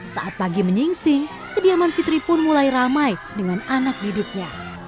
saat pagi menyingsing kediaman fitri pun mulai ramai dengan anak didiknya